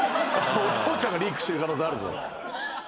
父ちゃんがリークしてる可能性あるぞ。